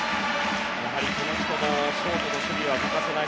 この人もショートの守備には欠かせない。